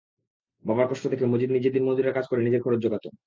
বাবার কষ্ট দেখে মজিদ নিজে দিনমজুরের কাজ করে নিজের খরচ যোগাত।